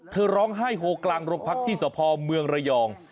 เธอร้องให้โหกลังรกพรรคที่สะพอเมืองระยอง